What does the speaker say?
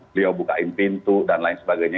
beliau bukain pintu dan lain sebagainya